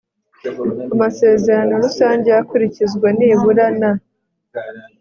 Amasezerano rusange akurikizwa nibura na